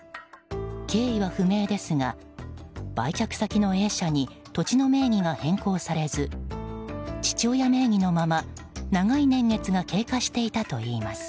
経緯は不明ですが売却先のＡ社に土地の名義が変更されず父親名義のまま長い年月が経過していたといいます。